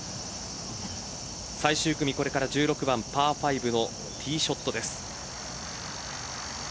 最終組これから１６番パー５のティーショットです。